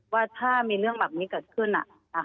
ว่าถ้ามีเรื่องแบบนี้เกิดขึ้น